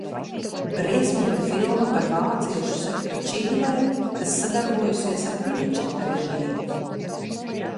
Briesmīga filma par vāciešu sektu Čīlē, kas sadarbojusies ar Pinočeta režīmu.